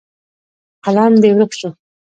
قلم دې ورک شو.